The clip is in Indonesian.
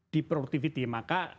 di produktivitas maka